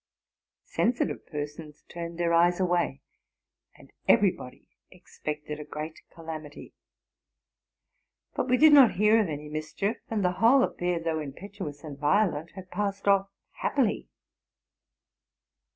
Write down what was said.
Sensitive persons turned their eyes away, and everybody expected a great calamity; but we did not hear of any mischief: and the whole affair, though impetu ous and violent, had passed off happily.